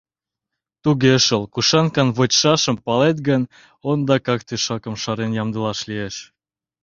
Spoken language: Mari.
Туге шол, кушан камвочшашым палет гын, ондакак тӧшакым шарен ямдылаш лиеш.